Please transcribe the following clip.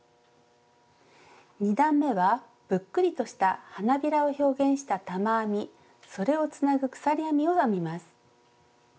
２段めはぷっくりとした花びらを表現した玉編みそれをつなぐ鎖編みを編みます。